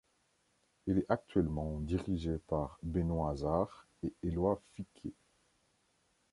Elle est actuellement dirigée par Benoit Hazard et Éloi Ficquet.